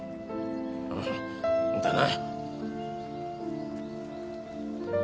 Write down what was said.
うんだな。